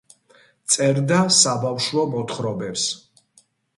წერდა საბავშვო მოთხრობებს.